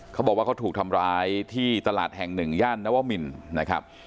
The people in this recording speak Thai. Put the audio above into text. เขาบอกว่าเขาถูกทำร้ายที่ตลาดแห่งหนึ่งย่านนวมินนะครับ